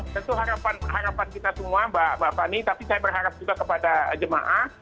tentu harapan kita semua mbak fani tapi saya berharap juga kepada jemaah